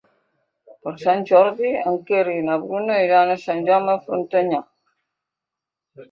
Per Sant Jordi en Quer i na Bruna iran a Sant Jaume de Frontanyà.